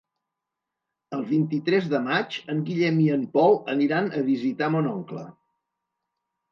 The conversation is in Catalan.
El vint-i-tres de maig en Guillem i en Pol aniran a visitar mon oncle.